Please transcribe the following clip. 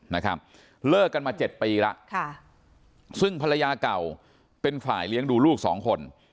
นะครับเลิกกันมาเจ็ดปีแล้วค่ะซึ่งภรรยาเก่าเป็นฝ่ายเลี้ยงดูลูกสองคน